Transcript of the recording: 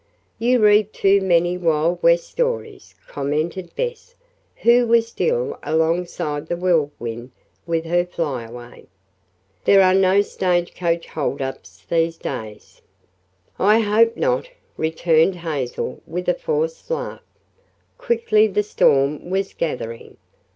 "You read too many wild west stories," commented Bess, who was still alongside the Whirlwind with her Flyaway. "There are no stagecoach hold ups these days." "I hope not," returned Hazel with a forced laugh. Quickly the storm was gathering.